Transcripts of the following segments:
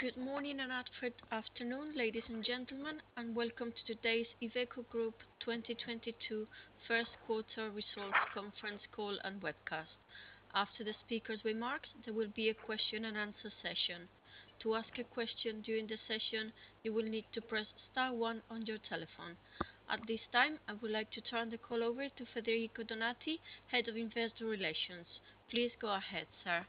Good morning and afternoon, ladies and gentlemen, and welcome to today's Iveco Group 2022 first quarter results conference call and webcast. After the speaker's remarks, there will be a question and answer session. To ask a question during the session, you will need to press star one on your telephone. At this time, I would like to turn the call over to Federico Donati, Head of Investor Relations. Please go ahead, sir.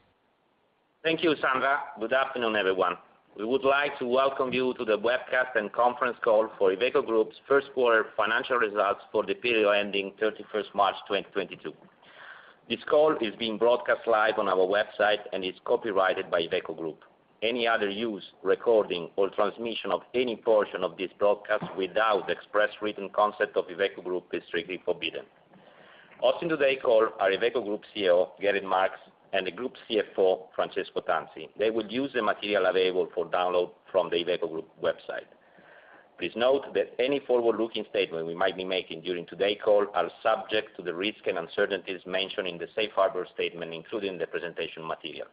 Thank you, Sandra. Good afternoon, everyone. We would like to welcome you to the webcast and conference call for Iveco Group's first quarter financial results for the period ending 31st March 2022. This call is being broadcast live on our website and is copyrighted by Iveco Group. Any other use, recording or transmission of any portion of this broadcast without the express written consent of Iveco Group is strictly forbidden. Hosting today's call are Iveco Group CEO Gerrit Marx and the Group CFO Francesco Tanzi. They will use the material available for download from the Iveco Group website. Please note that any forward-looking statement we might be making during today's call are subject to the risks and uncertainties mentioned in the safe harbor statement, including the presentation material.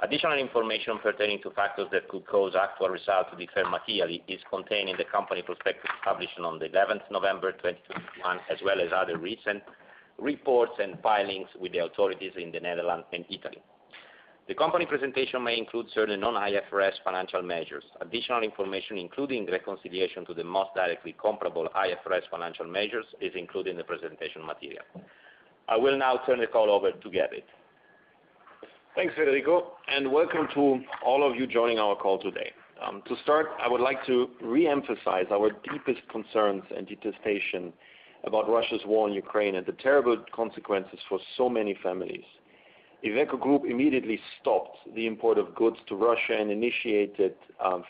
Additional information pertaining to factors that could cause actual results to differ materially is contained in the company prospectus published on the eleventh November 2021, as well as other recent reports and filings with the authorities in the Netherlands and Italy. The company presentation may include certain non-IFRS financial measures. Additional information including reconciliation to the most directly comparable IFRS financial measures is included in the presentation material. I will now turn the call over to Gerrit. Thanks, Federico, and welcome to all of you joining our call today. To start, I would like to re-emphasize our deepest concerns and detestation about Russia's war in Ukraine and the terrible consequences for so many families. Iveco Group immediately stopped the import of goods to Russia and initiated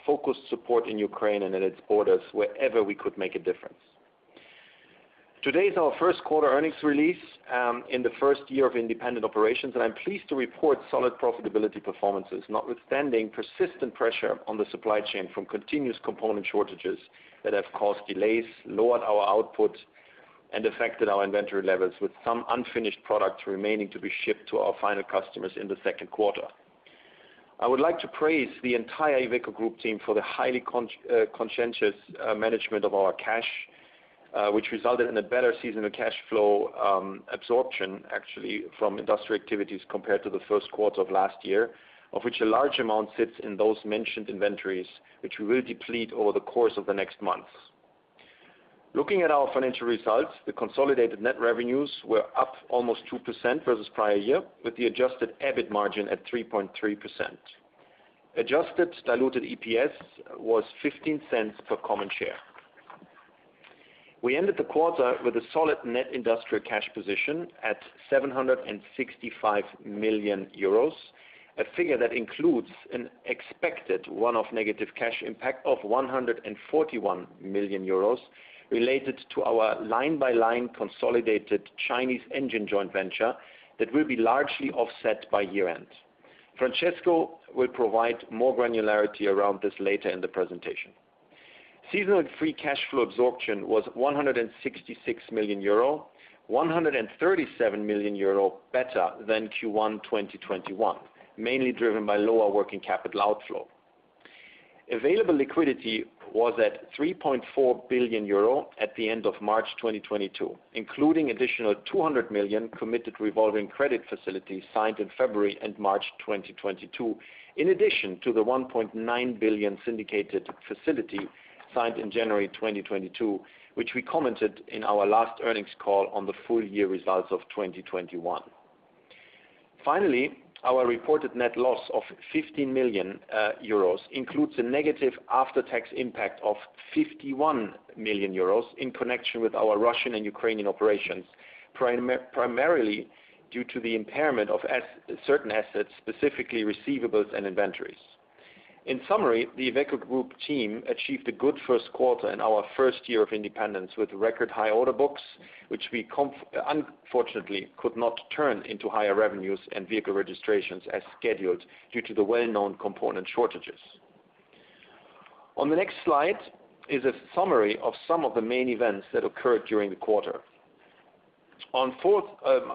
focused support in Ukraine and in its borders wherever we could make a difference. Today is our first quarter earnings release, in the first year of independent operations, and I'm pleased to report solid profitability performances, notwithstanding persistent pressure on the supply chain from continuous component shortages that have caused delays, lowered our output, and affected our inventory levels, with some unfinished products remaining to be shipped to our final customers in the second quarter. I would like to praise the entire Iveco Group team for the highly conscientious management of our cash, which resulted in a better seasonal cash flow absorption actually from industrial activities compared to the first quarter of last year, of which a large amount sits in those mentioned inventories, which we will deplete over the course of the next months. Looking at our financial results, the consolidated net revenues were up almost 2% versus prior year, with the adjusted EBIT margin at 3.3%. Adjusted diluted EPS was 0.15 per common share. We ended the quarter with a solid net industrial cash position at 765 million euros, a figure that includes an expected one-off negative cash impact of 141 million euros related to our line-by-line consolidated Chinese engine joint venture that will be largely offset by year-end. Francesco will provide more granularity around this later in the presentation. Seasonal free cash flow absorption was 166 million euro, 137 million euro better than Q1 2021, mainly driven by lower working capital outflow. Available liquidity was at 3.4 billion euro at the end of March 2022, including additional 200 million committed revolving credit facilities signed in February and March 2022, in addition to the 1.9 billion syndicated facility signed in January 2022, which we commented in our last earnings call on the full year results of 2021. Finally, our reported net loss of 50 million euros includes a negative after-tax impact of 51 million euros in connection with our Russian and Ukrainian operations, primarily due to the impairment of certain assets, specifically receivables and inventories. In summary, the Iveco Group team achieved a good first quarter in our first year of independence with record high order books, which we unfortunately could not turn into higher revenues and vehicle registrations as scheduled due to the well-known component shortages. On the next slide is a summary of some of the main events that occurred during the quarter. On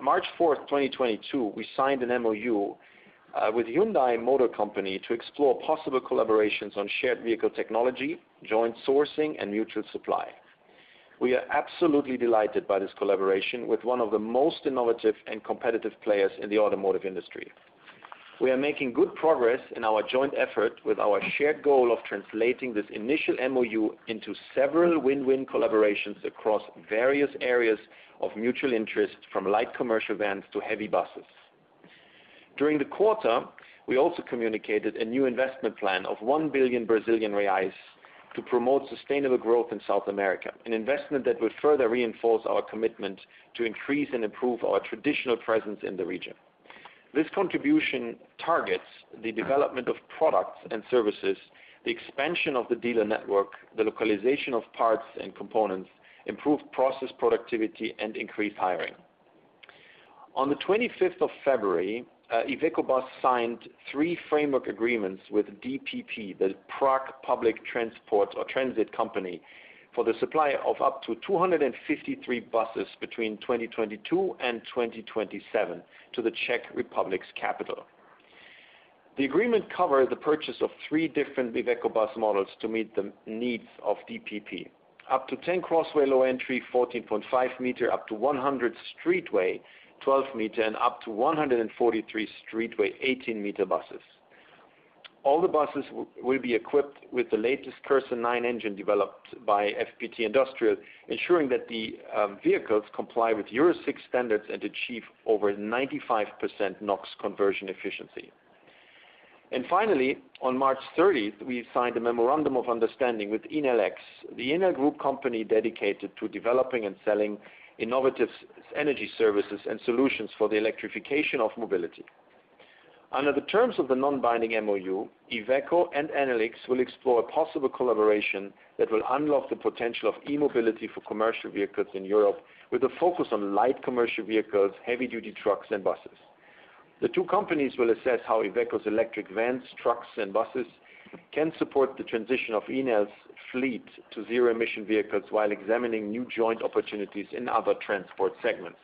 March 4, 2022, we signed an MoU with Hyundai Motor Company to explore possible collaborations on shared vehicle technology, joint sourcing and mutual supply. We are absolutely delighted by this collaboration with one of the most innovative and competitive players in the automotive industry. We are making good progress in our joint effort with our shared goal of translating this initial MoU into several win-win collaborations across various areas of mutual interest from light commercial vans to heavy buses. During the quarter, we also communicated a new investment plan of 1 billion Brazilian reais to promote sustainable growth in South America, an investment that would further reinforce our commitment to increase and improve our traditional presence in the region. This contribution targets the development of products and services, the expansion of the dealer network, the localization of parts and components, improved process productivity and increased hiring. On the 25th of February, IVECO BUS signed three framework agreements with DPP, the Prague Public Transit Company, for the supply of up to 253 buses between 2022 and 2027 to the Czech Republic's capital. The agreement covers the purchase of three different IVECO Bus models to meet the needs of DPP. Up to 10 CROSSWAY low-entry 14.5-meter, up to 100 STREETWAY 12-meter, and up to 143 STREETWAY 18-meter buses. All the buses will be equipped with the latest Cursor 9 engine developed by FPT Industrial, ensuring that the vehicles comply with Euro 6 standards and achieve over 95% NOx conversion efficiency. Finally, on March 30th, we signed a memorandum of understanding with Enel X, the Enel group company dedicated to developing and selling innovative energy services and solutions for the electrification of mobility. Under the terms of the non-binding MoU, Iveco and Enel X will explore possible collaboration that will unlock the potential of e-mobility for commercial vehicles in Europe, with a focus on light commercial vehicles, heavy-duty trucks and buses. The two companies will assess how Iveco's electric vans, trucks and buses can support the transition of Enel's fleet to zero-emission vehicles while examining new joint opportunities in other transport segments.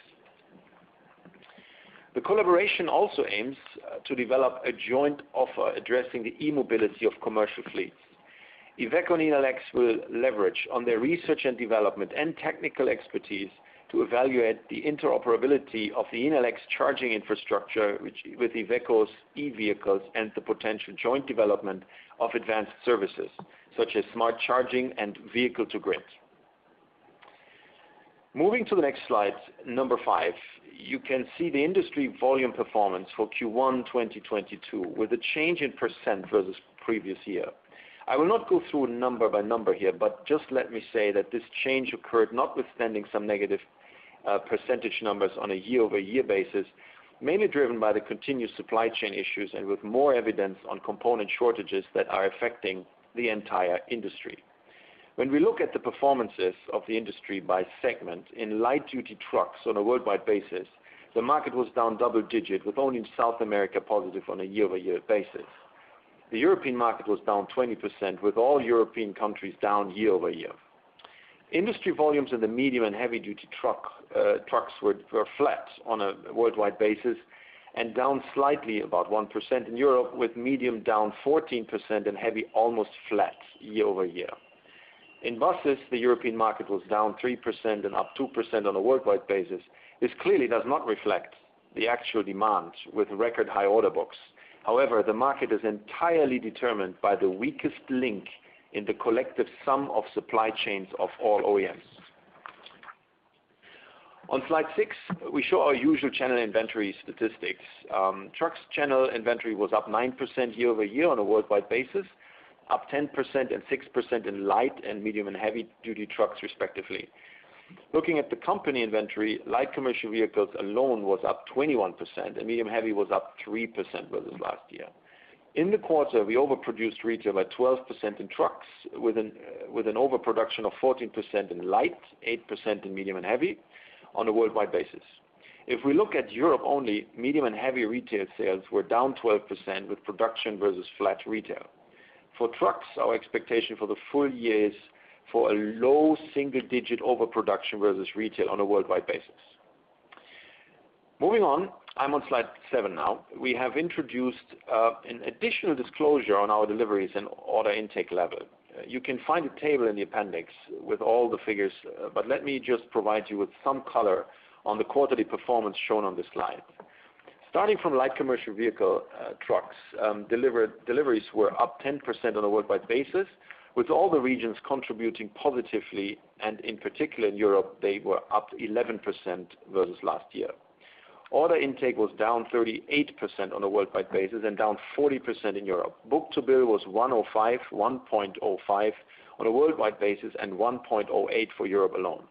The collaboration also aims to develop a joint offer addressing the e-mobility of commercial fleets. Iveco and Enel X will leverage on their research and development and technical expertise to evaluate the interoperability of the Enel X charging infrastructure with Iveco's e-vehicles and the potential joint development of advanced services, such as smart charging and vehicle-to-grid. Moving to the next slide, number 5, you can see the industry volume performance for Q1 2022, with a change in % versus previous year. I will not go through number by number here, but just let me say that this change occurred notwithstanding some negative % numbers on a year-over-year basis, mainly driven by the continued supply chain issues and with more evidence on component shortages that are affecting the entire industry. When we look at the performances of the industry by segment in light-duty trucks on a worldwide basis, the market was down double digit, with only South America positive on a year-over-year basis. The European market was down 20%, with all European countries down year-over-year. Industry volumes in the medium and heavy-duty trucks were flat on a worldwide basis, and down slightly about 1% in Europe, with medium down 14% and heavy almost flat year-over-year. In buses, the European market was down 3% and up 2% on a worldwide basis. This clearly does not reflect the actual demand with record high order books. However, the market is entirely determined by the weakest link in the collective sum of supply chains of all OEMs. On slide 6, we show our usual channel inventory statistics. Trucks channel inventory was up 9% year-over-year on a worldwide basis, up 10% and 6% in light and medium and heavy-duty trucks respectively. Looking at the company inventory, light commercial vehicles alone was up 21% and medium heavy was up 3% versus last year. In the quarter, we overproduced retail by 12% in trucks, with an overproduction of 14% in light, 8% in medium and heavy on a worldwide basis. If we look at Europe only, medium and heavy retail sales were down 12% with production versus flat retail. For trucks, our expectation for the full year is for a low single digit overproduction versus retail on a worldwide basis. Moving on, I'm on slide 7 now. We have introduced an additional disclosure on our deliveries and order intake level. You can find a table in the appendix with all the figures, but let me just provide you with some color on the quarterly performance shown on this slide. Starting from light commercial vehicle trucks, deliveries were up 10% on a worldwide basis, with all the regions contributing positively, and in particular in Europe, they were up 11% versus last year. Order intake was down 38% on a worldwide basis and down 40% in Europe. Book-to-bill was 1.05 on a worldwide basis and 1.08 for Europe alone.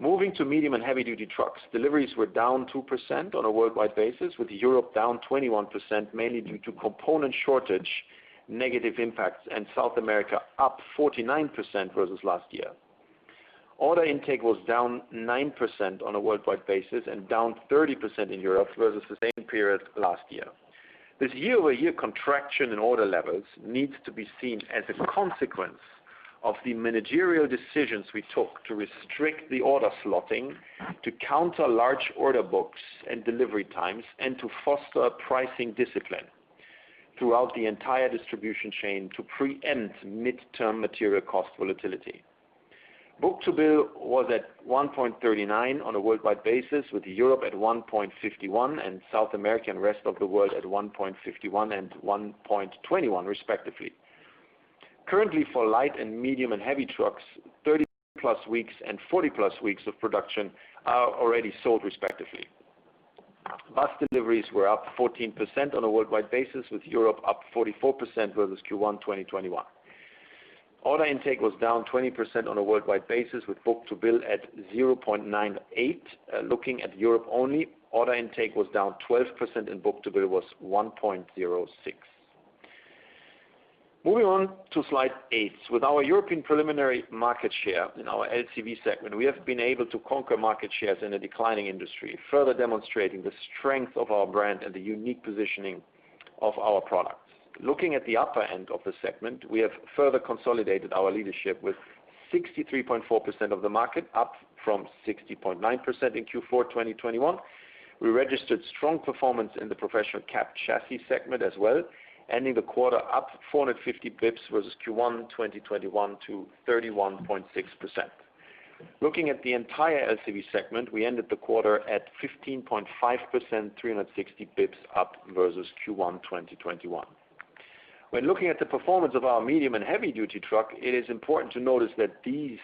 Moving to medium and heavy-duty trucks, deliveries were down 2% on a worldwide basis, with Europe down 21%, mainly due to component shortage, negative impacts, and South America up 49% versus last year. Order intake was down 9% on a worldwide basis and down 30% in Europe versus the same period last year. This year-over-year contraction in order levels needs to be seen as a consequence of the managerial decisions we took to restrict the order slotting to counter large order books and delivery times, and to foster pricing discipline throughout the entire distribution chain to preempt midterm material cost volatility. Book-to-bill was at 1.39 on a worldwide basis, with Europe at 1.51, and South America and rest of the world at 1.51 and 1.21 respectively. Currently, for light and medium and heavy trucks, 30+ weeks and 40+ weeks of production are already sold respectively. Bus deliveries were up 14% on a worldwide basis, with Europe up 44% versus Q1 2021. Order intake was down 20% on a worldwide basis, with book-to-bill at 0.98. Looking at Europe only, order intake was down 12% and book-to-bill was 1.06. Moving on to slide 8. With our European preliminary market share in our LCV segment, we have been able to conquer market shares in a declining industry, further demonstrating the strength of our brand and the unique positioning of our products. Looking at the upper end of the segment, we have further consolidated our leadership with 63.4% of the market, up from 60.9% in Q4 2021. We registered strong performance in the professional cab chassis segment as well, ending the quarter up 450 bps versus Q1 2021 to 31.6%. Looking at the entire LCV segment, we ended the quarter at 15.5%, 360 bps up versus Q1 2021. When looking at the performance of our medium and heavy-duty truck, it is important to notice that these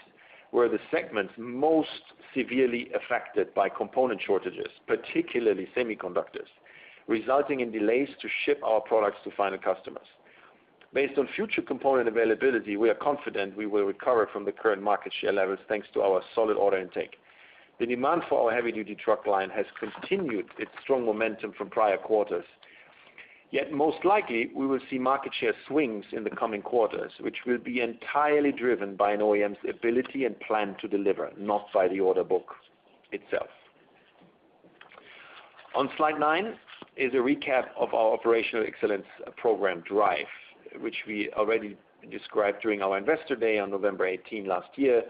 were the segments most severely affected by component shortages, particularly semiconductors, resulting in delays to ship our products to final customers. Based on future component availability, we are confident we will recover from the current market share levels, thanks to our solid order intake. The demand for our heavy-duty truck line has continued its strong momentum from prior quarters. Yet most likely we will see market share swings in the coming quarters, which will be entirely driven by an OEM's ability and plan to deliver, not by the order book itself. On slide nine is a recap of our operational excellence program DRIVE, which we already described during our Investor Day on November eighteenth last year.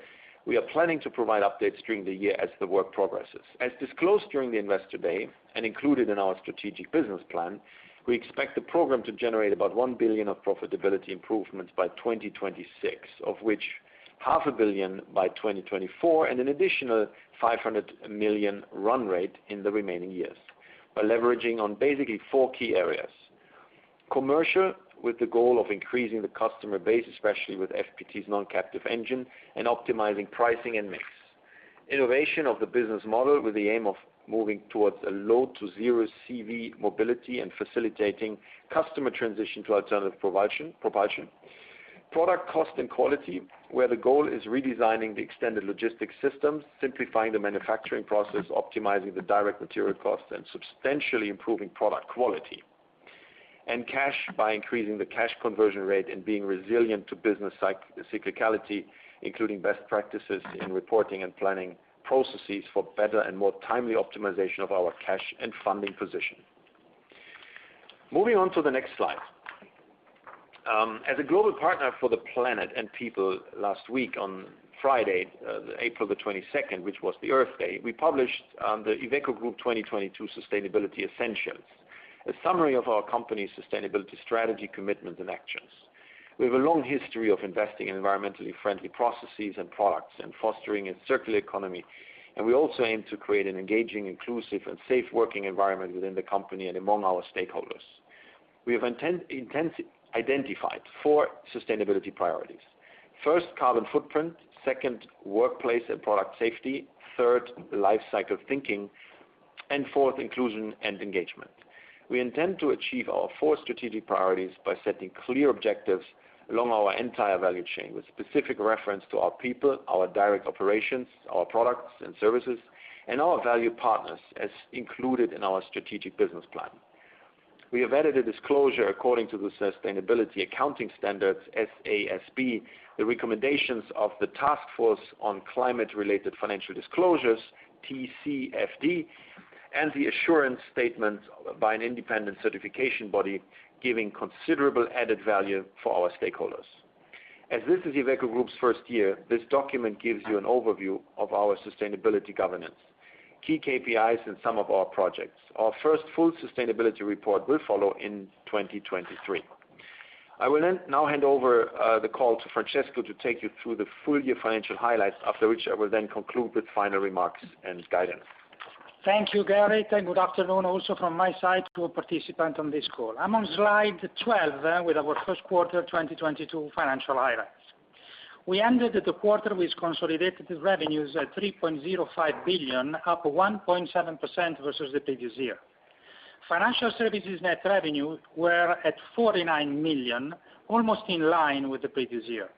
We are planning to provide updates during the year as the work progresses. As disclosed during the Investor Day and included in our strategic business plan, we expect the program to generate about 1 billion of profitability improvements by 2026, of which half a billion by 2024 and an additional 500 million run rate in the remaining years by leveraging basically four key areas. Commercial, with the goal of increasing the customer base, especially with FPT's non-captive engine and optimizing pricing and mix. Innovation of the business model with the aim of moving towards low- to zero-CV mobility and facilitating customer transition to alternative propulsion. Product cost and quality, where the goal is redesigning the extended logistics systems, simplifying the manufacturing process, optimizing the direct material costs, and substantially improving product quality. Cash by increasing the cash conversion rate and being resilient to business cyclicality, including best practices in reporting and planning processes for better and more timely optimization of our cash and funding position. Moving on to the next slide. As a global partner for the planet and people, last week on Friday, April 22, which was Earth Day, we published the Iveco Group 2022 Sustainability Essentials, a summary of our company's sustainability strategy, commitment, and actions. We have a long history of investing in environmentally friendly processes and products and fostering a circular economy, and we also aim to create an engaging, inclusive, and safe working environment within the company and among our stakeholders. We have identified four sustainability priorities. First, carbon footprint. Second, workplace and product safety. Third, lifecycle thinking. Fourth, inclusion and engagement. We intend to achieve our four strategic priorities by setting clear objectives along our entire value chain, with specific reference to our people, our direct operations, our products and services, and our value partners as included in our strategic business plan. We have added a disclosure according to the Sustainability Accounting Standards, SASB, the recommendations of the Task Force on Climate-related Financial Disclosures, TCFD, and the assurance statement by an independent certification body, giving considerable added value for our stakeholders. As this is Iveco Group's first year, this document gives you an overview of our sustainability governance, key KPIs in some of our projects. Our first full sustainability report will follow in 2023. I will then now hand over the call to Francesco to take you through the full year financial highlights, after which I will then conclude with final remarks and guidance. Thank you, Gerrit, and good afternoon also from my side to all participants on this call. I'm on slide 12, with our first quarter 2022 financial highlights. We ended the quarter with consolidated revenues at 3.05 billion, up 1.7% versus the previous year. Financial services net revenue were at 49 million, almost in line with the previous year.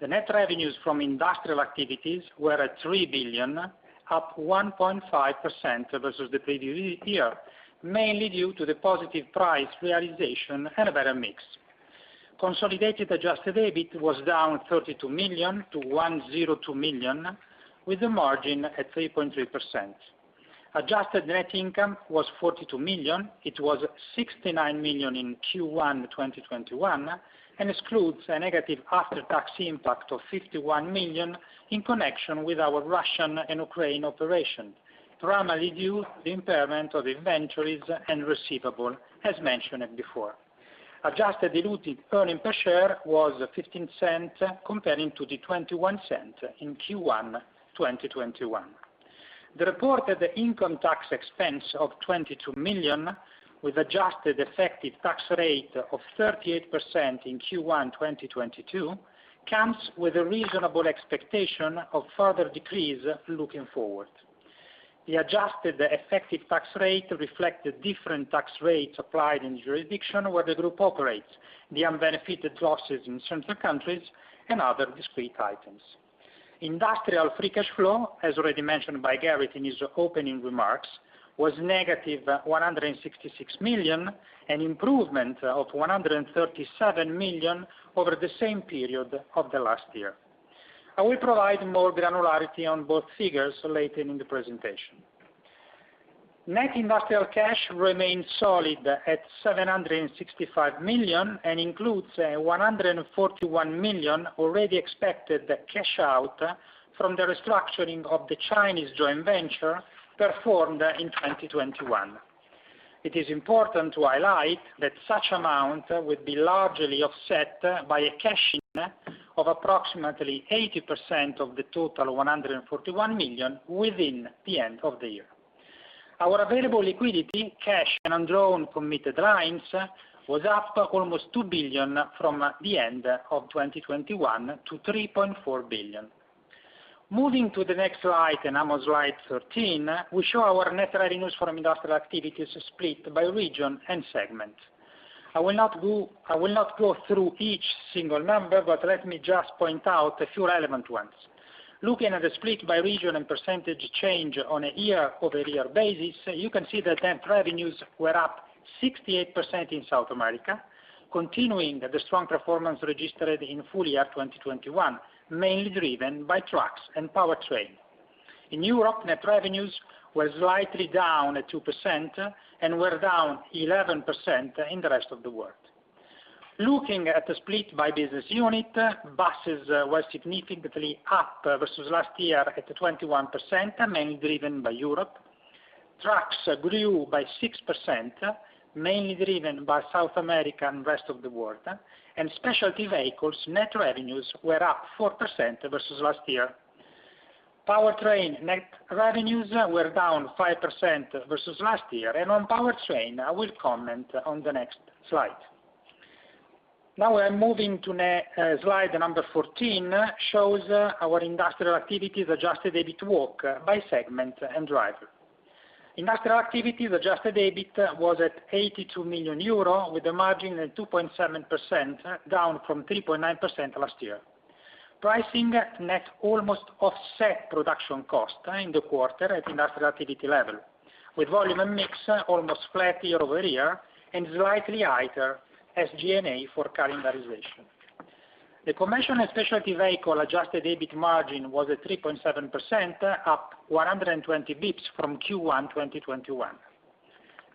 The net revenues from industrial activities were at 3 billion, up 1.5% versus the previous year, mainly due to the positive price realization and a better mix. Consolidated adjusted EBIT was down 32 million to 102 million, with the margin at 3.3%. Adjusted net income was 42 million. It was 69 million in Q1 2021 and excludes a negative after-tax impact of 51 million in connection with our Russian and Ukrainian operations, primarily due to the impairment of inventories and receivables, as mentioned before. Adjusted diluted earnings per share was 0.15, compared to 0.21 in Q1 2021. The reported income tax expense of 22 million with adjusted effective tax rate of 38% in Q1 2022 comes with a reasonable expectation of further decrease looking forward. The adjusted effective tax rate reflects the different tax rates applied in jurisdictions where the group operates, the unbenefited losses in certain countries and other discrete items. Industrial free cash flow, as already mentioned by Gerrit in his opening remarks, was -166 million, an improvement of 137 million over the same period of the last year. I will provide more granularity on both figures later in the presentation. Net industrial cash remains solid at 765 million, and includes one hundred and forty-one million already expected cash out from the restructuring of the Chinese joint venture performed in 2021. It is important to highlight that such amount would be largely offset by a cash in of approximately 80% of the total one hundred and forty-one million within the end of the year. Our available liquidity, cash and undrawn committed lines, was up almost 2 billion from the end of 2021 to 3.4 billion. Moving to the next slide, and almost slide 13, we show our net revenues from industrial activities split by region and segment. I will not go through each single number, but let me just point out a few relevant ones. Looking at the split by region and percentage change on a year-over-year basis, you can see that net revenues were up 68% in South America, continuing the strong performance registered in full year 2021, mainly driven by trucks and powertrain. In Europe, net revenues were slightly down at 2% and were down 11% in the rest of the world. Looking at the split by business unit, Buses was significantly up versus last year at 21%, mainly driven by Europe. Trucks grew by 6%, mainly driven by South America and rest of the world. Specialty Vehicles net revenues were up 4% versus last year. Powertrain net revenues were down 5% versus last year. On powertrain, I will comment on the next slide. Now we are moving to slide number 14, shows our industrial activities adjusted EBIT walk by segment and driver. Industrial activities adjusted EBIT was at 82 million euro, with a margin at 2.7%, down from 3.9% last year. Net pricing almost offset production cost in the quarter at industrial activity level, with volume and mix almost flat year-over-year and slightly higher SG&A for calendarization. The commercial and specialty vehicle adjusted EBIT margin was at 3.7%, up 120 bps from Q1 2021.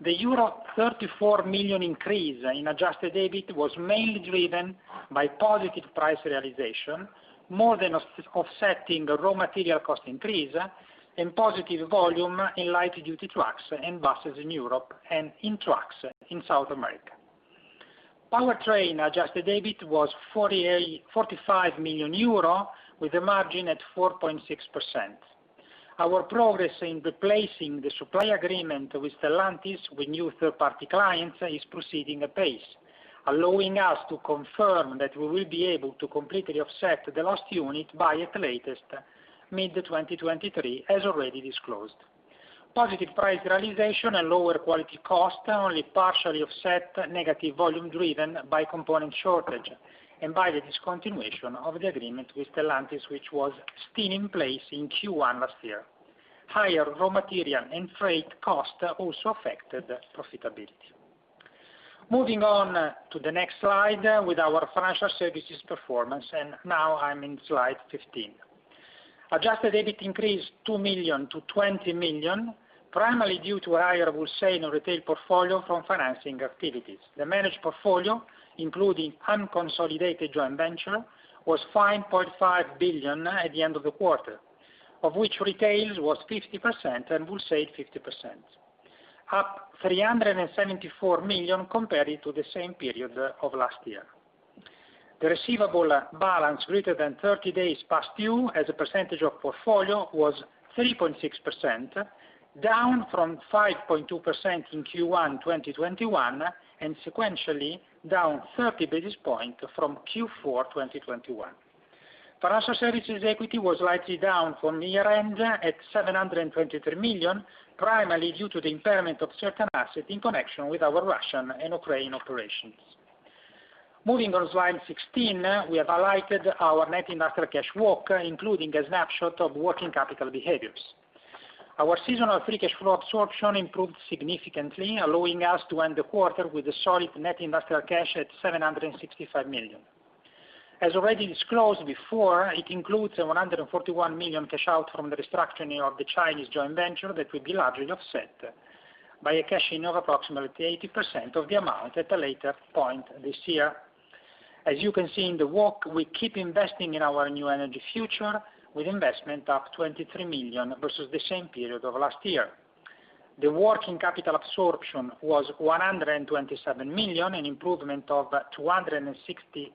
The euro 34 million increase in adjusted EBIT was mainly driven by positive price realization, more than offsetting the raw material cost increase and positive volume in light-duty trucks and buses in Europe and in trucks in South America. Powertrain adjusted EBIT was 45 million euro with a margin at 4.6%. Our progress in replacing the supply agreement with Stellantis with new third-party clients is proceeding apace, allowing us to confirm that we will be able to completely offset the last unit by, at latest, mid-2023, as already disclosed. Positive price realization and lower quality cost only partially offset negative volume driven by component shortage and by the discontinuation of the agreement with Stellantis, which was still in place in Q1 last year. Higher raw material and freight cost also affected profitability. Moving on to the next slide with our financial services performance, and now I'm in slide 15. Adjusted EBIT increased 2 million to 20 million, primarily due to a higher wholesale and retail portfolio from financing activities. The managed portfolio, including unconsolidated joint venture, was 5.5 billion at the end of the quarter, of which retail was 50% and wholesale 50%, up 374 million compared to the same period of last year. The receivable balance greater than 30 days past due as a percentage of portfolio was 3.6%, down from 5.2% in Q1 2021, and sequentially down 30 basis points from Q4 2021. Financial services equity was slightly down from year-end at 723 million, primarily due to the impairment of certain assets in connection with our Russian and Ukrainian operations. Moving on slide 16, we have highlighted our net industrial cash walk, including a snapshot of working capital behaviors. Our seasonal free cash flow absorption improved significantly, allowing us to end the quarter with a solid net industrial cash at 765 million. As already disclosed before, it includes a 141 million cash out from the restructuring of the Chinese joint venture that will be largely offset by a cash in of approximately 80% of the amount at a later point this year. As you can see in the walk, we keep investing in our new energy future with investment up 23 million versus the same period of last year. The working capital absorption was 127 million, an improvement of 267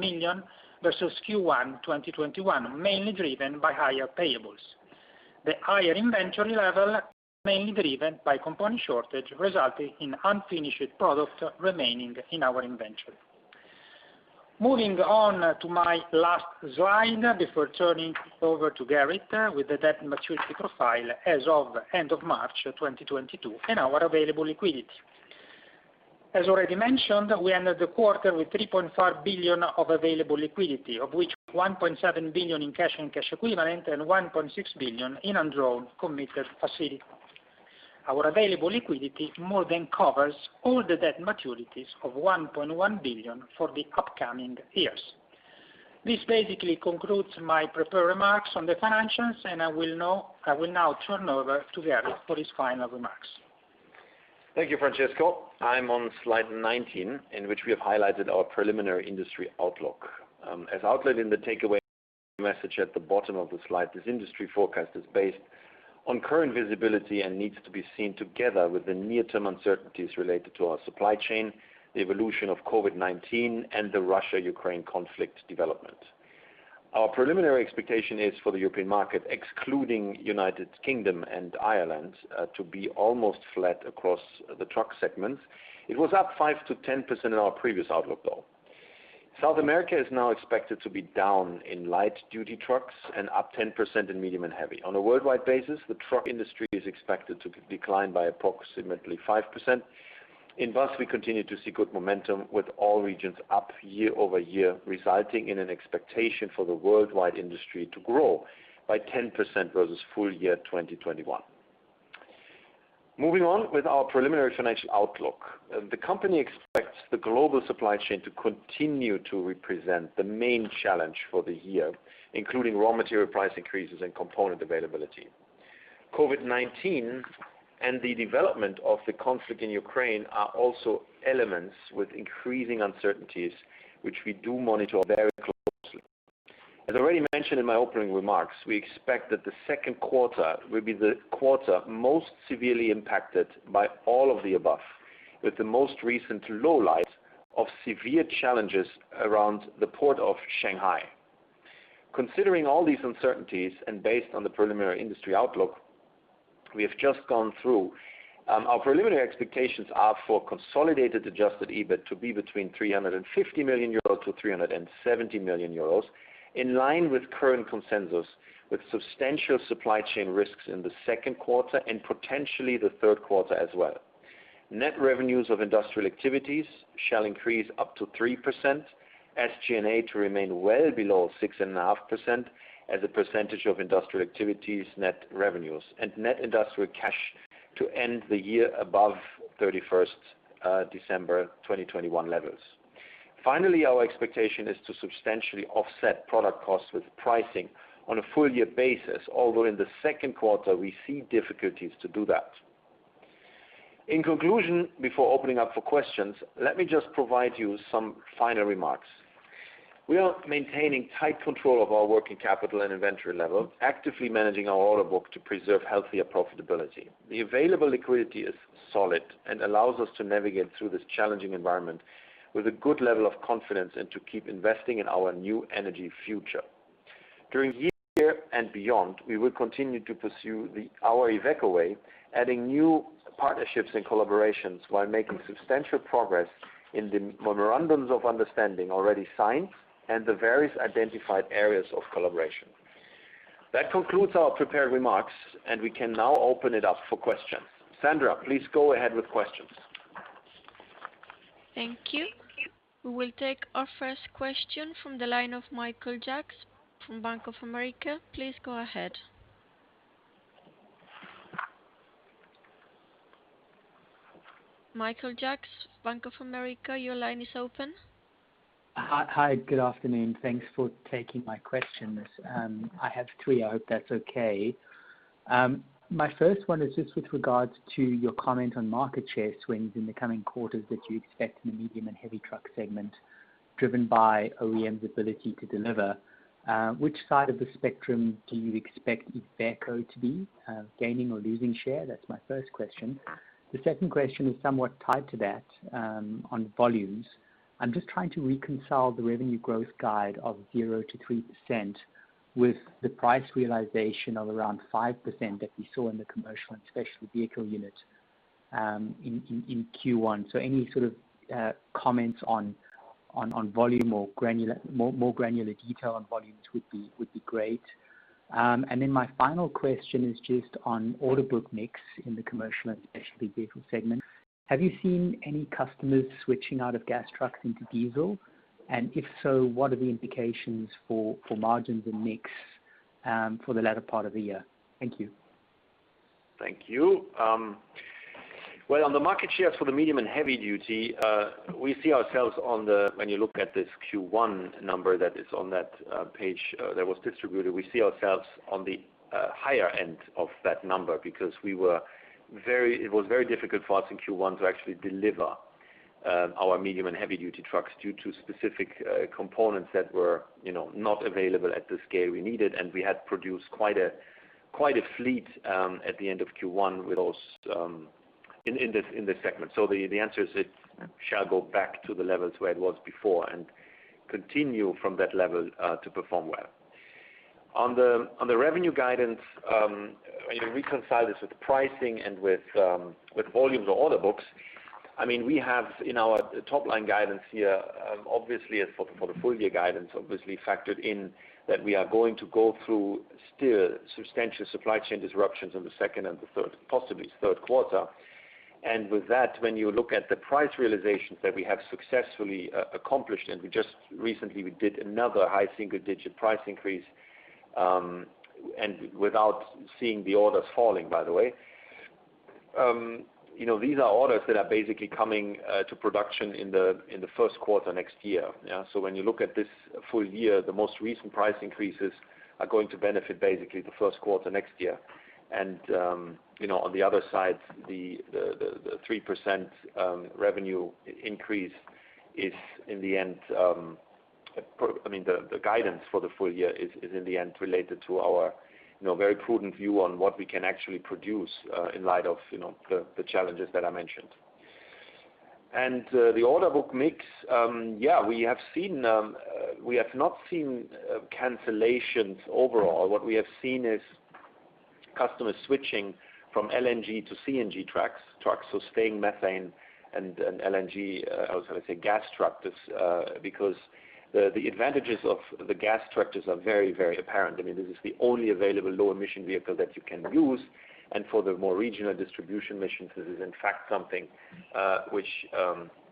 million versus Q1 2021, mainly driven by higher payables. The higher inventory level mainly driven by component shortage, resulting in unfinished product remaining in our inventory. Moving on to my last slide before turning over to Gerrit with the debt maturity profile as of end of March 2022, and our available liquidity. As already mentioned, we ended the quarter with 3.4 billion of available liquidity, of which 1.7 billion in cash and cash equivalent and 1.6 billion in undrawn committed facilities. Our available liquidity more than covers all the debt maturities of 1.1 billion for the upcoming years. This basically concludes my prepared remarks on the financials, and I will now turn over to Gerrit for his final remarks. Thank you, Francesco. I'm on slide 19, in which we have highlighted our preliminary industry outlook. As outlined in the takeaway message at the bottom of the slide, this industry forecast is based on current visibility and needs to be seen together with the near-term uncertainties related to our supply chain, the evolution of COVID-19, and the Russia-Ukraine conflict development. Our preliminary expectation is for the European market, excluding United Kingdom and Ireland, to be almost flat across the truck segment. It was up 5%-10% in our previous outlook, though. South America is now expected to be down in light-duty trucks and up 10% in medium and heavy. On a worldwide basis, the truck industry is expected to decline by approximately 5%. In Bus, we continue to see good momentum with all regions up year-over-year, resulting in an expectation for the worldwide industry to grow by 10% versus full year 2021. Moving on with our preliminary financial outlook. The company expects the global supply chain to continue to represent the main challenge for the year, including raw material price increases and component availability. COVID-19 and the development of the conflict in Ukraine are also elements with increasing uncertainties, which we do monitor very closely. As already mentioned in my opening remarks, we expect that the second quarter will be the quarter most severely impacted by all of the above, with the most recent highlight of severe challenges around the Port of Shanghai. Considering all these uncertainties and based on the preliminary industry outlook we have just gone through, our preliminary expectations are for consolidated adjusted EBIT to be between 350 million euros and 370 million euros, in line with current consensus, with substantial supply chain risks in the second quarter and potentially the third quarter as well. Net revenues of industrial activities shall increase up to 3%, SG&A to remain well below 6.5% as a percentage of industrial activities net revenues. Net industrial cash to end the year above 31st December 2021 levels. Finally, our expectation is to substantially offset product costs with pricing on a full year basis. Although in the second quarter, we see difficulties to do that. In conclusion, before opening up for questions, let me just provide you some final remarks. We are maintaining tight control of our working capital and inventory level, actively managing our order book to preserve healthier profitability. The available liquidity is solid and allows us to navigate through this challenging environment with a good level of confidence and to keep investing in our new energy future. During this year and beyond, we will continue to pursue our Iveco Way, adding new partnerships and collaborations while making substantial progress in the memorandums of understanding already signed and the various identified areas of collaboration. That concludes our prepared remarks, and we can now open it up for questions. Sandra, please go ahead with questions. Thank you. We will take our first question from the line of Michael Jacks from Bank of America. Please go ahead. Michael Jacks, Bank of America, your line is open. Hi. Good afternoon. Thanks for taking my questions. I have three. I hope that's okay. My first one is just with regards to your comment on market share swings in the coming quarters that you expect in the medium and heavy truck segment, driven by OEM's ability to deliver. Which side of the spectrum do you expect Iveco to be, gaining or losing share? That's my first question. The second question is somewhat tied to that, on volumes. I'm just trying to reconcile the revenue growth guide of 0%-3% with the price realization of around 5% that we saw in the commercial and special vehicle unit, in Q1. So any sort of comments on volume or more granular detail on volumes would be great. My final question is just on order book mix in the commercial and specialty vehicle segment. Have you seen any customers switching out of gas trucks into diesel? If so, what are the implications for margins and mix for the latter part of the year? Thank you. Thank you. Well, on the market shares for the medium- and heavy-duty, when you look at this Q1 number that is on that page that was distributed, we see ourselves on the higher end of that number because it was very difficult for us in Q1 to actually deliver our medium- and heavy-duty trucks due to specific components that were, you know, not available at the scale we needed. We had produced quite a fleet at the end of Q1 with those in this segment. The answer is it shall go back to the levels where it was before and continue from that level to perform well. On the revenue guidance, you know, reconcile this with pricing and with volumes or order books. I mean, we have in our top-line guidance here, obviously for the full year guidance, obviously factored in that we are going to go through still substantial supply chain disruptions in the second and the third, possibly third quarter. With that, when you look at the price realizations that we have successfully accomplished, and we just recently did another high single-digit price increase and without seeing the orders falling, by the way. You know, these are orders that are basically coming to production in the first quarter next year, yeah. When you look at this full year, the most recent price increases are going to benefit basically the first quarter next year. You know, on the other side, the three percent revenue increase is in the end—I mean, the guidance for the full year is in the end related to our very prudent view on what we can actually produce in light of the challenges that I mentioned. The order book mix, we have not seen cancellations overall. What we have seen is customers switching from LNG to CNG trucks, so staying methane and LNG. I was gonna say gas tractors because the advantages of the gas tractors are very, very apparent. I mean, this is the only available low emission vehicle that you can use. For the more regional distribution missions, this is in fact something which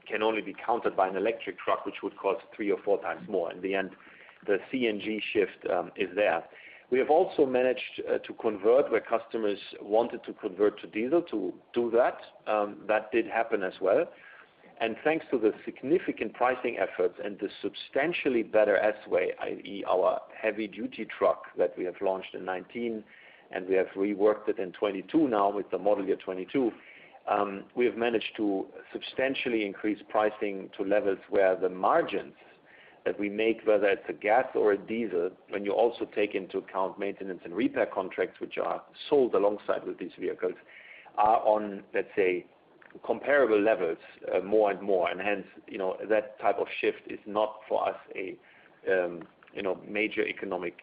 can only be countered by an electric truck, which would cost three or four times more. In the end, the CNG shift is there. We have also managed to convert where customers wanted to convert to diesel to do that. That did happen as well. Thanks to the significant pricing efforts and the substantially better S-Way, i.e., our heavy-duty truck that we have launched in 2019, and we have reworked it in 2022 now with the model year 2022, we have managed to substantially increase pricing to levels where the margins that we make, whether it's a gas or a diesel, when you also take into account maintenance and repair contracts, which are sold alongside with these vehicles, are on, let's say, comparable levels more and more. Hence, you know, that type of shift is not for us a major economic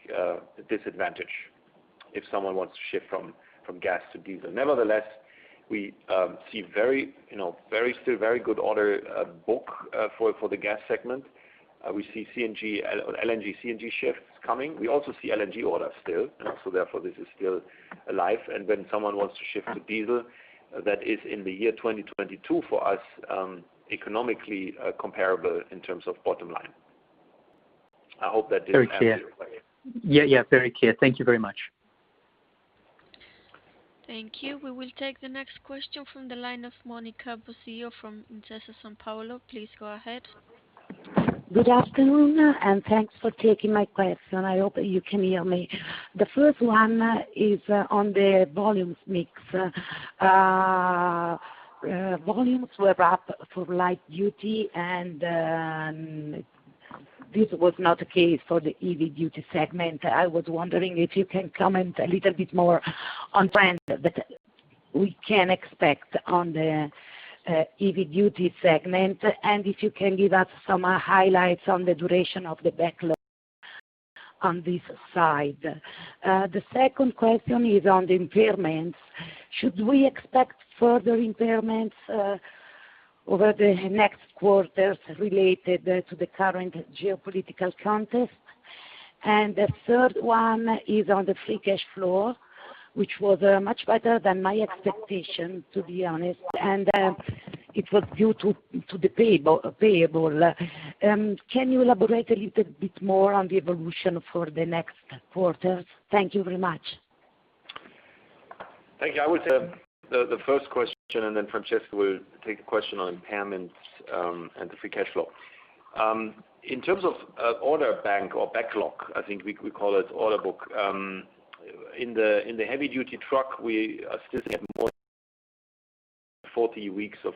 disadvantage if someone wants to shift from gas to diesel. Nevertheless, we see very, you know, very good order book for the gas segment. We see LNG, CNG shifts coming. We also see LNG orders still. Therefore, this is still alive. When someone wants to shift to diesel, that is in the year 2022 for us economically comparable in terms of bottom line. I hope that didn't add any complexity. Very clear. Yeah, yeah, very clear. Thank you very much. Thank you. We will take the next question from the line of Monica Bosio from Intesa Sanpaolo. Please go ahead. Good afternoon, and thanks for taking my question. I hope you can hear me. The first one is on the volume mix. Volumes were up for light-duty and this was not the case for the heavy-duty segment. I was wondering if you can comment a little bit more on trends that we can expect on the heavy-duty segment, and if you can give us some highlights on the duration of the backlog on this side. The second question is on the impairments. Should we expect further impairments over the next quarters related to the current geopolitical context? The third one is on the free cash flow, which was much better than my expectation, to be honest. It was due to the payables. Can you elaborate a little bit more on the evolution for the next quarters? Thank you very much. Thank you. I would take the first question, and then Francesco will take the question on impairments and the free cash flow. In terms of order bank or backlog, I think we call it order book. In the heavy-duty truck, we still have more than 40 weeks of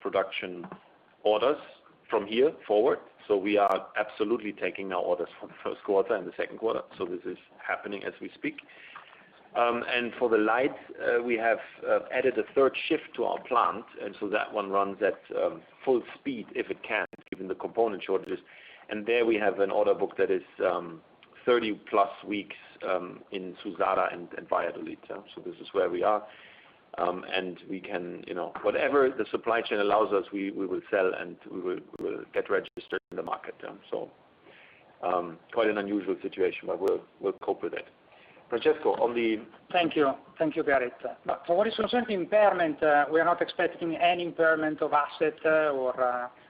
production orders from here forward. We are absolutely taking our orders from the first quarter and the second quarter. This is happening as we speak. For the light, we have added a third shift to our plant, and that one runs at full speed if it can, given the component shortages. There we have an order book that is 30-plus weeks in Suzzara and Valladolid. This is where we are. We can, you know, whatever the supply chain allows us, we will sell and we will get registered in the market. Quite an unusual situation, but we'll cope with it. Francesco, on the- Thank you. Thank you, Gerrit. For what is concerning impairment, we are not expecting any impairment of asset, or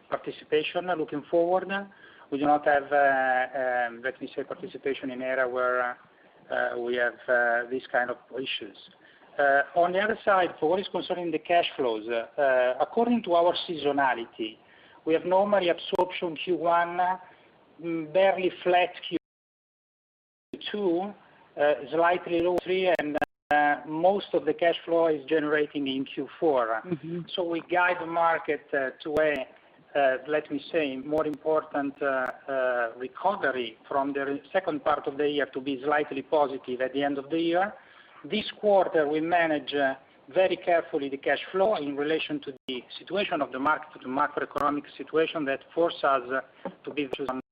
participation looking forward. We do not have, let me say participation in area where we have this kind of issues. On the other side, for what is concerning the cash flows, according to our seasonality, we have normally absorption Q1, barely flat Q2, slightly low Q3, and most of the cash flow is generating in Q4. Mm-hmm. We guide the market to a, let me say, more important recovery from the second part of the year to be slightly positive at the end of the year. This quarter, we manage very carefully the cash flow in relation to the situation of the market, the macroeconomic situation that force us to be vigilant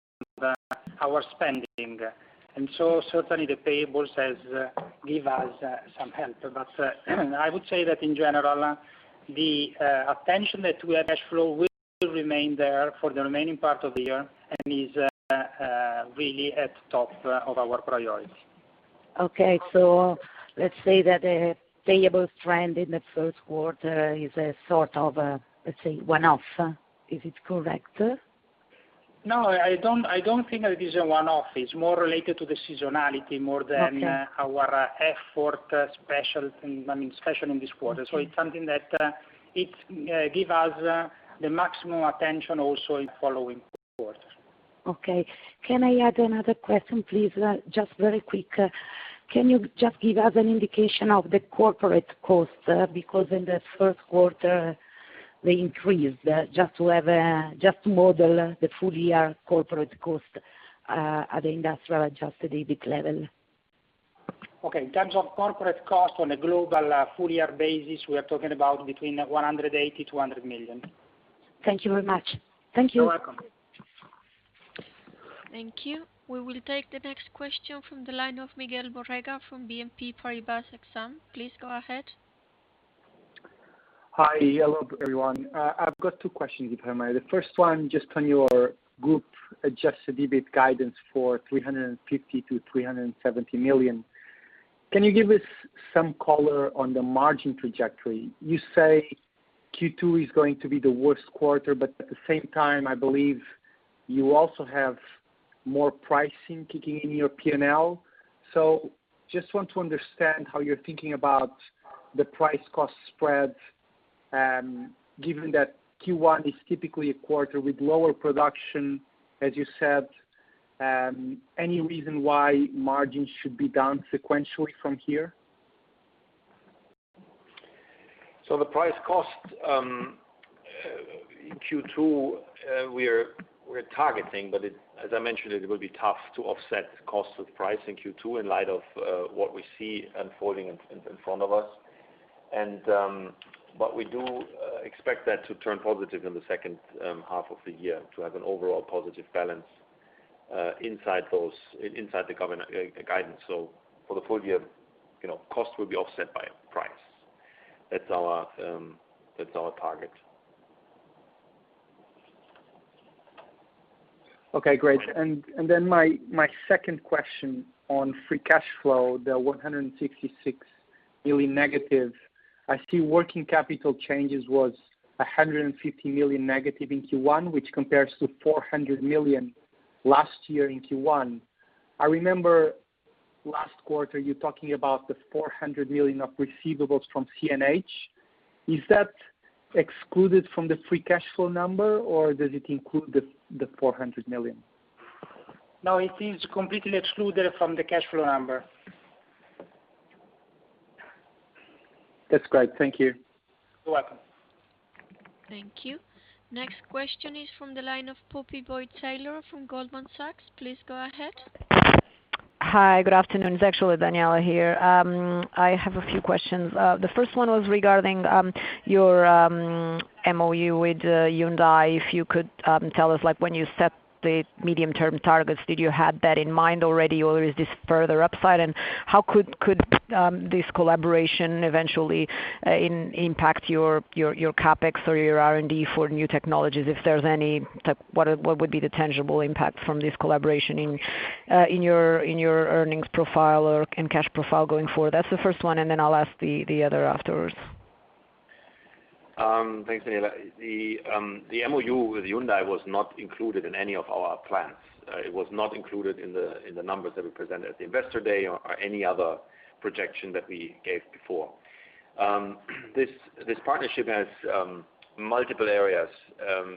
on our spending. Certainly the payables has give us some help. I would say that in general, the attention that we have cash flow will remain there for the remaining part of the year and is really at top of our priority. Okay. Let's say that a payable trend in the first quarter is a sort of, let's say, one-off. Is it correct? No, I don't, I don't think it is a one-off. It's more related to the seasonality more than. Okay. Our effort special, I mean, especially in this quarter. It's something that it give us the maximum attention also in following quarters. Okay. Can I add another question, please? Just very quick. Can you just give us an indication of the corporate cost? Because in the first quarter, they increased. Just to model the full year corporate cost at the industrial-adjusted EBIT level. Okay. In terms of corporate cost on a global, full year basis, we are talking about between 180 million and 200 million. Thank you very much. Thank you. You're welcome. Thank you. We will take the next question from the line of Miguel Borrega from BNP Paribas Exane. Please go ahead. Hi. Hello, everyone. I've got two questions, if I may. The first one, just on your group-adjusted EBIT guidance for 350 million-370 million. Can you give us some color on the margin trajectory? You say Q2 is going to be the worst quarter, but at the same time, I believe you also have more pricing kicking in your P&L. Just want to understand how you're thinking about the price-cost spread, given that Q1 is typically a quarter with lower production, as you said. Any reason why margins should be down sequentially from here? The price cost in Q2 we're targeting, but as I mentioned, it will be tough to offset cost with price in Q2 in light of what we see unfolding in front of us. We do expect that to turn positive in the second half of the year to have an overall positive balance inside the guidance. For the full year, you know, cost will be offset by price. That's our target. Okay, great. My second question on free cash flow, the -166 million. I see working capital changes was a -150 million in Q1, which compares to 400 million last year in Q1. I remember last quarter you talking about the 400 million of receivables from CNH. Is that excluded from the free cash flow number, or does it include the 400 million? No, it is completely excluded from the cash flow number. That's great. Thank you. You're welcome. Thank you. Next question is from the line of Poppy Boyd-Taylor from Goldman Sachs. Please go ahead. Hi, good afternoon. It's actually Daniela here. I have a few questions. The first one was regarding your MOU with Hyundai. If you could tell us, like, when you set the medium-term targets, did you have that in mind already, or is this further upside? And how could this collaboration eventually impact your CapEx or your R&D for new technologies, if there's any? Like, what would be the tangible impact from this collaboration in your earnings profile or cash profile going forward? That's the first one, and then I'll ask the other afterwards. Thanks, Daniela. The MoU with Hyundai was not included in any of our plans. It was not included in the numbers that we presented at the Investor Day or any other projection that we gave before. This partnership has multiple areas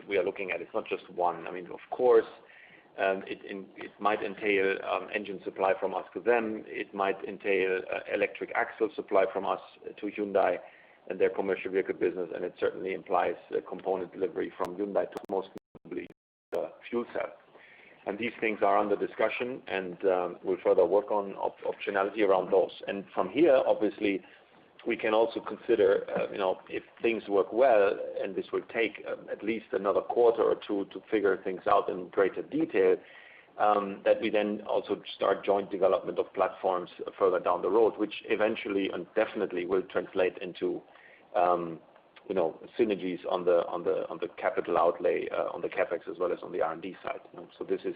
we are looking at. It's not just one. I mean, of course, it might entail engine supply from us to them. It might entail electric axle supply from us to Hyundai and their commercial vehicle business, and it certainly implies a component delivery from Hyundai to most probably the fuel cell. These things are under discussion, and we'll further work on optionality around those. From here, obviously, we can also consider, you know, if things work well, and this would take at least another quarter or two to figure things out in greater detail, that we then also start joint development of platforms further down the road, which eventually and definitely will translate into, you know, synergies on the capital outlay, on the CapEx as well as on the R&D side. This is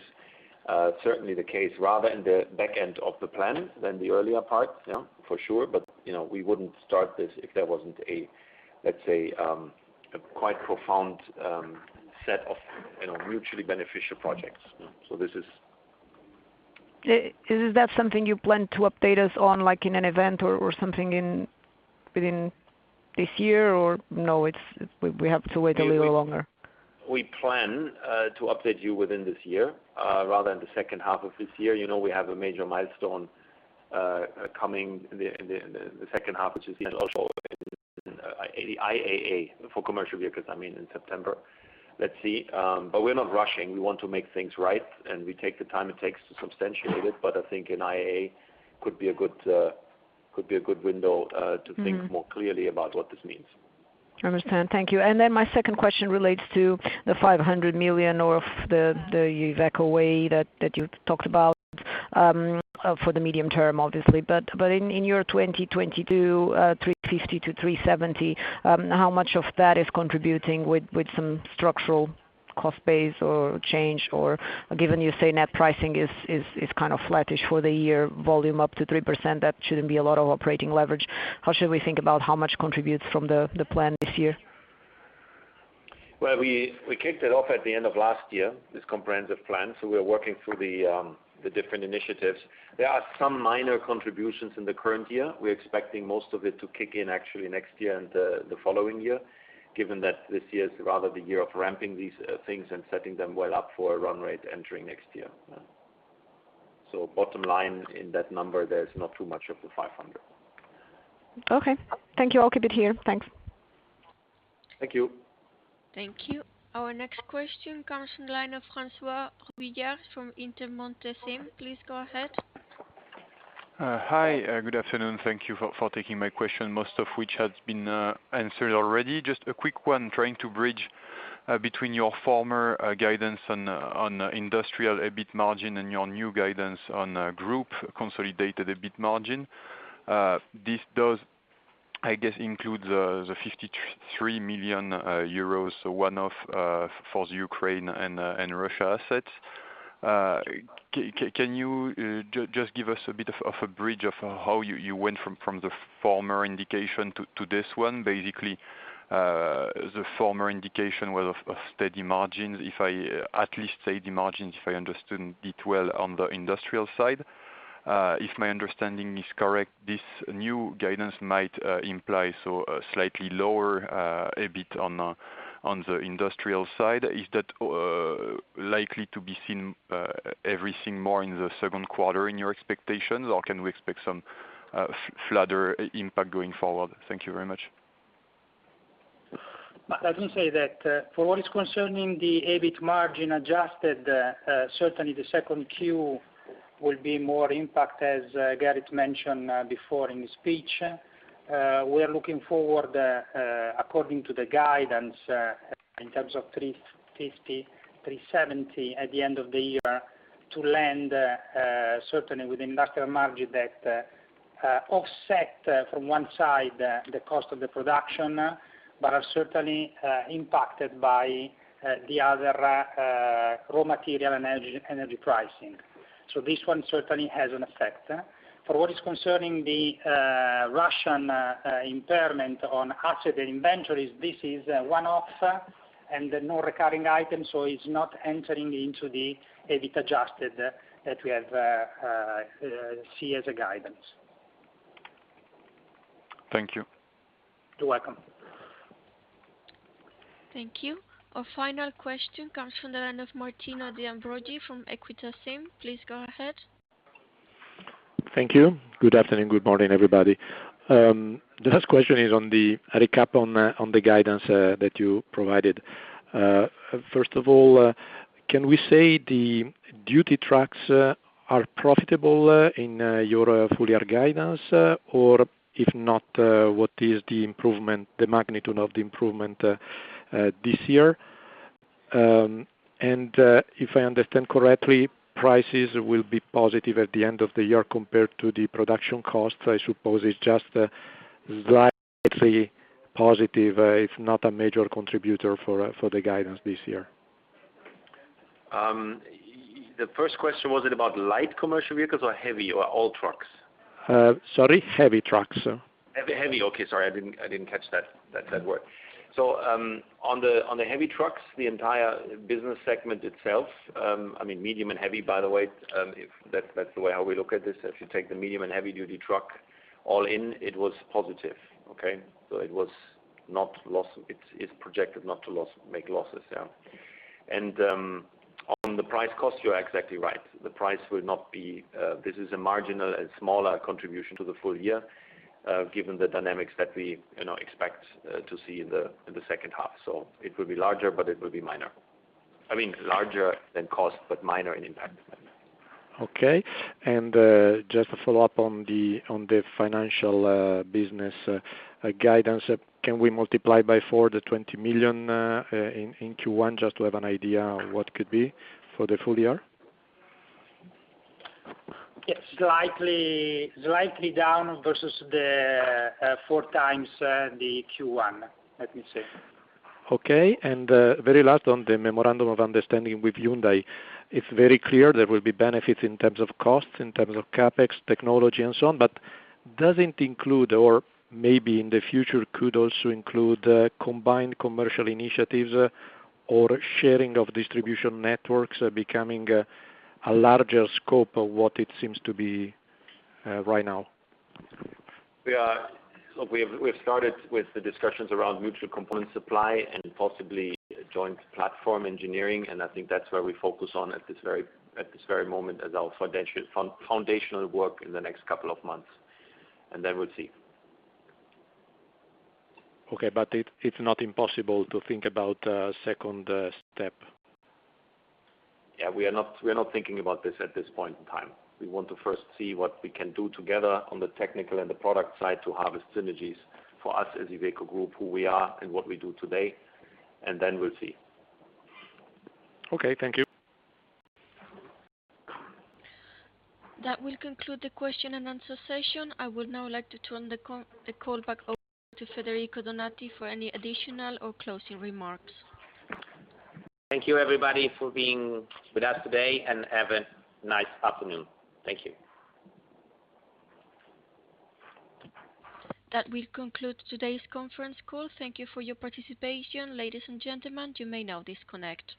certainly the case, rather in the back end of the plan than the earlier part, yeah, for sure. We wouldn't start this if there wasn't a, let's say, a quite profound set of, you know, mutually beneficial projects. This is- Is that something you plan to update us on, like in an event or something in between this year? No, it's we have to wait a little longer. We plan to update you within this year, rather in the second half of this year. You know, we have a major milestone coming in the second half, which is also IAA for commercial vehicles, I mean, in September. Let's see. We're not rushing. We want to make things right, and we take the time it takes to substantiate it. I think in IAA could be a good window. Mm-hmm. to think more clearly about what this means. I understand. Thank you. Then my second question relates to the 500 million of the Iveco Way that you talked about for the medium term, obviously. But in your 2022, 350 million-370 million, how much of that is contributing with some structural cost base or change? Or given you say net pricing is kind of flattish for the year, volume up to 3%, that shouldn't be a lot of operating leverage. How should we think about how much contributes from the plan this year? Well, we kicked it off at the end of last year, this comprehensive plan, so we are working through the different initiatives. There are some minor contributions in the current year. We're expecting most of it to kick in actually next year and the following year, given that this year is rather the year of ramping these things and setting them well up for a run rate entering next year. Bottom line, in that number, there's not too much of the 500. Okay. Thank you. I'll keep it here. Thanks. Thank you. Thank you. Our next question comes from the line of François Robillard from Intermonte SIM. Please go ahead. Hi, good afternoon. Thank you for taking my question, most of which has been answered already. Just a quick one, trying to bridge between your former guidance on industrial EBIT margin and your new guidance on group EBIT margin. This does, I guess, include the 53 million euros one-off for the Ukraine and Russia assets. Can you just give us a bit of a bridge of how you went from the former indication to this one? Basically, the former indication was of steady margins. At least steady margins, if I understood it well on the industrial side. If my understanding is correct, this new guidance might imply a slightly lower EBIT on the industrial side. Is that likely to be seen everything more in the second quarter in your expectations, or can we expect some flatter impact going forward? Thank you very much. Let me say that for what is concerning the EBIT margin adjusted, certainly the second quarter will be more impacted, as Gerrit mentioned before in his speech. We are looking forward, according to the guidance, in terms of 3.50%-3.70% at the end of the year to land certainly with industrial margin that offset from one side the cost of the production, but are certainly impacted by the other raw material and energy pricing. This one certainly has an effect. For what is concerning the Russian impairment on assets and inventories, this is a one-off and no recurring item, so it's not entering into the EBIT adjusted that we have see as a guidance. Thank you. You're welcome. Thank you. Our final question comes from the line of Martino De Ambroggi from Equita SIM. Please go ahead. Thank you. Good afternoon, good morning, everybody. The last question is on the recap of the guidance that you provided. First of all, can we say heavy-duty trucks are profitable in your full year guidance? Or if not, what is the improvement, the magnitude of the improvement, this year? If I understand correctly, prices will be positive at the end of the year compared to the production costs. I suppose it's just slightly positive. It's not a major contributor for the guidance this year. The first question, was it about light commercial vehicles or heavy or all trucks? Sorry, heavy trucks. Heavy. Okay, sorry, I didn't catch that word. On the heavy trucks, the entire business segment itself, I mean, medium and heavy, by the way, if that's the way how we look at this. If you take the medium and heavy-duty truck all in, it was positive. Okay. It was not lose. It's projected not to lose, make losses, yeah. On the price-cost, you are exactly right. The price will not be this; it's a marginal and smaller contribution to the full year, given the dynamics that we you know expect to see in the second half. It will be larger, but it will be minor. I mean, larger than cost, but minor in impact. Okay. Just to follow up on the financial business guidance, can we multiply by 4 the 20 million in Q1 just to have an idea of what could be for the full year? Yeah. Slightly down versus the four times the Q1, let me say. Okay. Very last on the memorandum of understanding with Hyundai. It's very clear there will be benefits in terms of costs, in terms of CapEx, technology, and so on. Does it include or maybe in the future could also include combined commercial initiatives or sharing of distribution networks becoming a larger scope of what it seems to be right now? Look, we have, we've started with the discussions around mutual component supply and possibly joint platform engineering, and I think that's where we focus on at this very moment as our foundational work in the next couple of months, and then we'll see. Okay, it's not impossible to think about a second step? Yeah, we are not thinking about this at this point in time. We want to first see what we can do together on the technical and the product side to harvest synergies for us as Iveco Group, who we are and what we do today, and then we'll see. Okay, thank you. That will conclude the question and answer session. I would now like to turn the call back over to Federico Donati for any additional or closing remarks. Thank you, everybody, for being with us today, and have a nice afternoon. Thank you. That will conclude today's conference call. Thank you for your participation. Ladies and gentlemen, you may now disconnect.